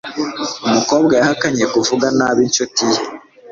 umukobwa yahakanye kuvuga nabi inshuti ye